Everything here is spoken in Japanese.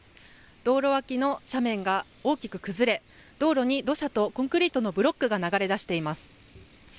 道路脇の斜面が大きく崩れ道路に土砂とコンクリートのブロックが流れ出しています。